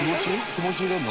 気持ち入れるの？」